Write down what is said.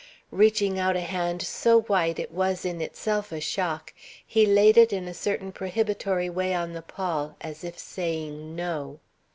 Reaching out a hand so white it was in itself a shock, he laid it in a certain prohibitory way on the pall, as if saying no.